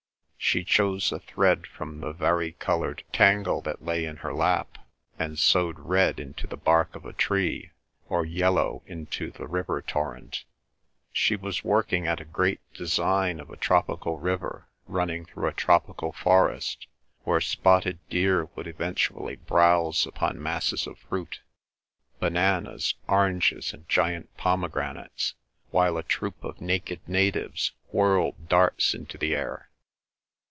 She chose a thread from the vari coloured tangle that lay in her lap, and sewed red into the bark of a tree, or yellow into the river torrent. She was working at a great design of a tropical river running through a tropical forest, where spotted deer would eventually browse upon masses of fruit, bananas, oranges, and giant pomegranates, while a troop of naked natives whirled darts into the air.